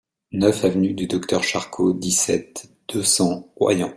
neuf avenue du Docteur Charcot, dix-sept, deux cents, Royan